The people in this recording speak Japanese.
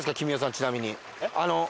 ちなみに。